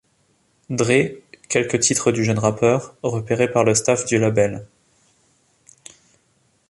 Dre, quelques titres du jeune rappeur, repéré par le staff du label.